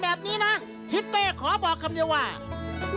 เรียบดูเดี๋ยวถ้าลูกหัวฉันมาเจอเธอจะอดกินนะ